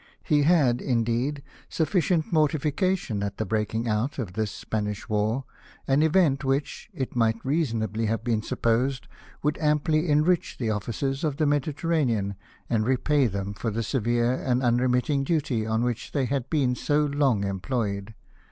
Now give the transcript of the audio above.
He had, indeed, suf ficient mortification at the breaking out of this Spanish war ; an event which, it might reasonably have been supposed, would amply enrich the officers of the Mediterranean, and repay them for the severe and unremitting duty on which they had been so long employed.